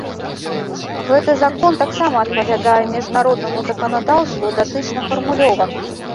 Гэты закон таксама адпавядае міжнароднаму заканадаўству датычна фармулёвак.